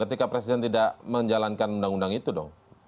ketika presiden tidak menjalankan undang undang itu dong